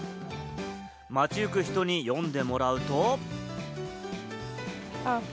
街行く人に読んでもらうと。